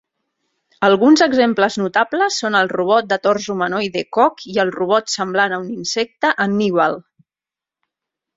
Alguns exemples notables són el robot de tors humanoide Cog i el robot semblant a un insecte Hannibal.